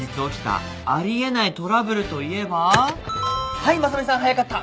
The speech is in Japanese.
はい正海さん早かった。